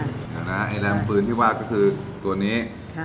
เดี๋ยวนะไอ้แรมฟื้นที่วาดก็คือตัวนี้